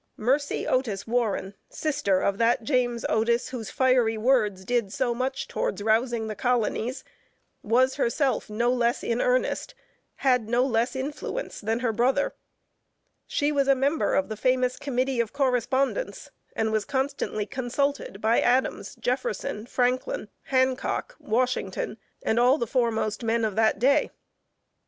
Mercy Otis Warren, sister of that James Otis whose fiery words did so much towards rousing the colonies, was herself no less in earnest, had no less influence than her brother. She was a member of the famous committee of correspondence, and was constantly consulted by Adams, Jefferson, Franklin, Hancock, Washington and all the foremost men of that day.